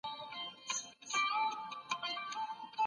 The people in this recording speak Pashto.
سياسي موخي بايد د خلکو د غوښتنو استازيتوب وکړي.